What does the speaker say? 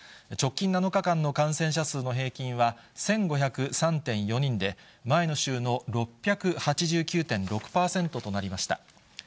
直近７日間の感染者数の平均は、１５０３．４人で、前の週の６８９．６％となりました。